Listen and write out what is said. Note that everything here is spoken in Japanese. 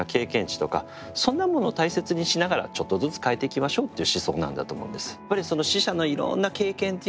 知とかそんなものを大切にしながらちょっとずつ変えていきましょうっていう思想なんだと思うんです。